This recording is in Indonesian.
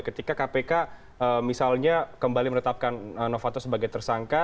ketika kpk misalnya kembali menetapkan novanto sebagai tersangka